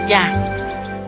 tadi hampir saja